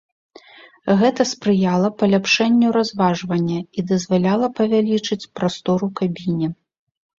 Гэта спрыяла паляпшэнню разважвання і дазваляла павялічыць прастор у кабіне.